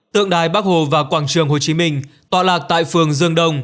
tượng đài bắc hồ và quảng trường hồ chí minh tọa lạc tại phường dương đông